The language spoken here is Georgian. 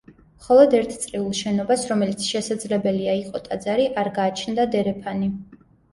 მხოლოდ ერთ წრიულ შენობას, რომელიც შესაძლებელია იყო ტაძარი, არ გააჩნდა დერეფანი.